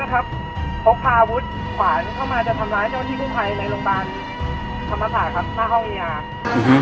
มีคนขับรถนะครับเพราะพาวุฒิขวานเข้ามาจะทำร้ายโดยที่ภูมิภัยในโรงพยาบาลธรรมภาษาครับมาเข้าวิทยาลักษณ์